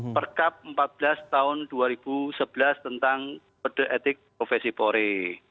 perkap empat belas tahun dua ribu sebelas tentang berde etik profesi pori